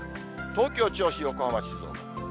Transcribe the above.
東京、銚子、横浜、静岡。